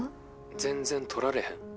全然取られへん。